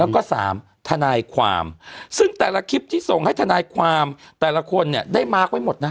แล้วก็สามทนายความซึ่งแต่ละคลิปที่ส่งให้ทนายความแต่ละคนเนี่ยได้มาร์คไว้หมดนะ